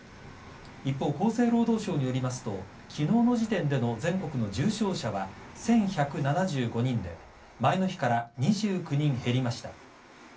一方、厚生労働省によりますと昨日の時点での全国の重症者は１１７５人で前の日から２９人減りました。